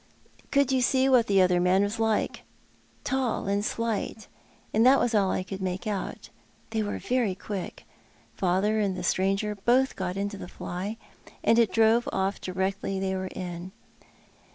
" Could you see what the other man was like? "" Tall and slight, that was all I could make out. They were Tery quick. Father and the stranger both got into the fly, and it drove off directly they were in.